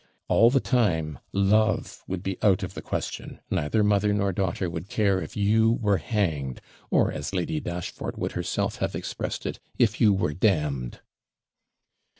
All the time love would be out of the question; neither mother nor daughter would care if you were hanged, or, as Lady Dashfort would herself have expressed it, if you were d d.'